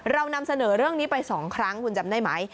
เรานำเสนอเรื่องนี้ไป๒ครั้งคุณจำได้ไหม